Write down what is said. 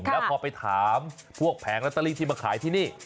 เพราะเราไปถามผู้ห่างและตะลิงที่มาขายที่นี่